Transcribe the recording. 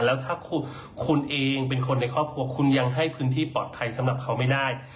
แล้วถ้าคุณเองเป็นคนในครอบครัวคุณยังให้พื้นที่ปลอดภัยสำหรับเขาไม่ได้